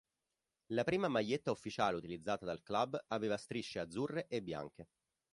La prima maglietta ufficiale utilizzata dal club aveva strisce azzurre e bianche.